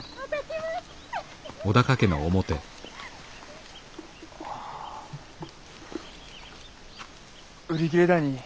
はあ売り切れだに。